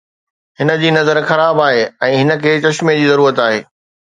هن جي نظر خراب آهي ۽ هن کي چشمي جي ضرورت آهي